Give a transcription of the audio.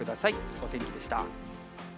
お天気でした。